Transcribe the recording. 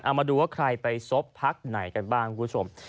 เอามาดูว่าใครไปซบพักไหนกันบ้างคุณผู้ชม